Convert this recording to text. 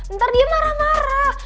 ntar dia marah marah